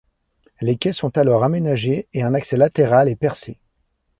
Les quais sont alors aménagés et un accès latéral est percé.